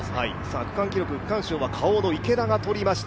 区間記録、区間賞はＫａｏの池田が取りました。